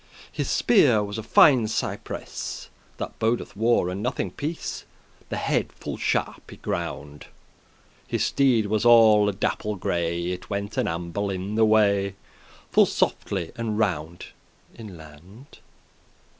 His speare was of fine cypress, That bodeth war, and nothing peace; The head full sharp y ground. His steede was all dapple gray, It went an amble in the way Full softely and round In land.